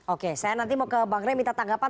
oke saya nanti mau ke bang ray minta tanggapan